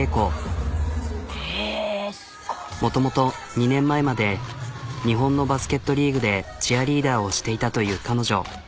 もともと２年前まで日本のバスケットリーグでチアリーダーをしていたという彼女。